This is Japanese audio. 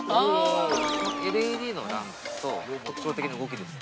ＬＥＤのランプと、特徴的な動きです。